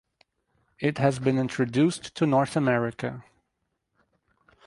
It has been introduced to North America.